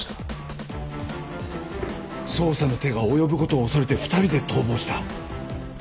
捜査の手が及ぶ事を恐れて２人で逃亡した？